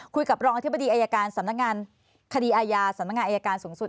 รองอธิบดีอายการสำนักงานคดีอาญาสำนักงานอายการสูงสุด